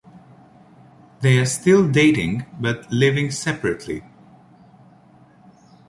They are still dating, but living separately.